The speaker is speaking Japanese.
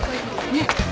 ねっ。